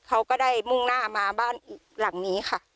เขาก็ได้มุ่งหน้ามาบ้านอีกหลังนี้ค่ะ